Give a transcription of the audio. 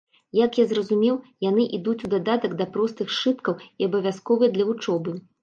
Як я зразумеў, яны ідуць у дадатак да простых сшыткаў і абавязковыя для вучобы.